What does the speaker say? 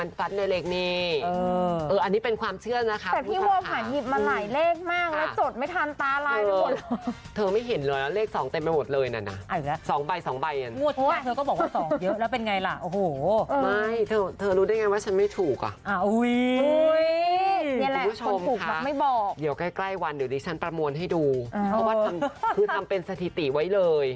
ออุ้ยคุณผู้ชมค่ะเดี๋ยวใกล้วันเดี๋ยวดิชันประมวลให้ดูเพราะทำเป็นสถิติไว้เลย